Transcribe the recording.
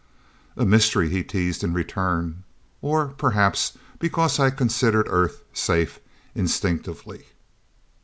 "A mystery," he teased in return. "Or perhaps because I considered Earth safe instinctively."